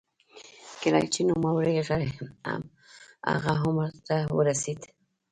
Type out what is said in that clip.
کله چې نوموړی هغه عمر ته ورسېد.